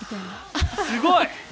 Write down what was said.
すごい！